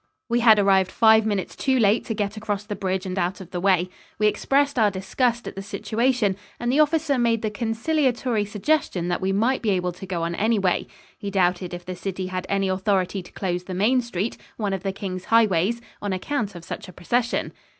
We had arrived five minutes too late to get across the bridge and out of the way. We expressed our disgust at the situation and the officer made the conciliatory suggestion that we might be able to go on anyway. He doubted if the city had any authority to close the main street, one of the King's highways, on account of such a procession.